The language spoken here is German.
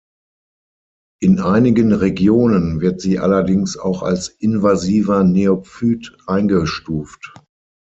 In einigen Regionen wird sie allerdings auch als invasiver Neophyt eingestuft.